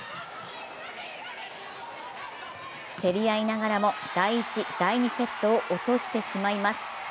競り合いながらも第１、第２セットを落としてしまいます。